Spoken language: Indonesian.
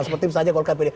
seperti misalnya golkar pd